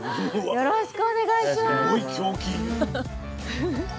よろしくお願いします。